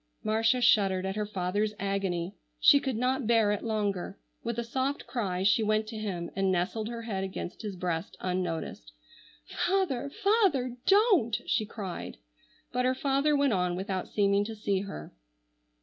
Marcia shuddered at her father's agony. She could not bear it longer. With a soft cry she went to him, and nestled her head against his breast unnoticed. "Father, father, don't!" she cried. But her father went on without seeming to see her.